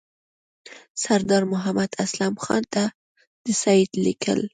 سردار محمد اسلم خان ته د سید لیک.